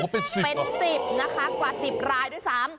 เป็น๑๐เป็น๑๐นะคะกว่า๑๐รายด้วยซ้ำ